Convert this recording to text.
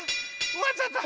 おわっちゃった。